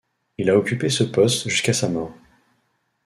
Il a occupé ce poste jusqu'à sa mort.